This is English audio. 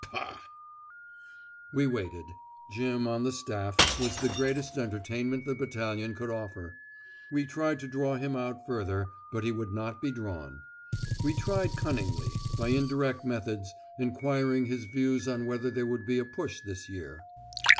Pah!" We waited. Jim on the Staff was the greatest entertainment the battalion could offer. We tried to draw him out further, but he would not be drawn. We tried cunningly, by indirect methods, enquiring his views on whether there would be a push this year.